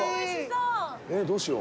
えっどうしよう。